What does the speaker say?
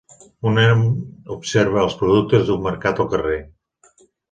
Un nen observa els productes d'un mercat al carrer.